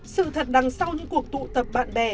sự thật đằng sau những cuộc tụ tập bạn bè